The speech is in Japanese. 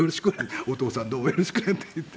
「お父さんどうもよろしく」なんて言って。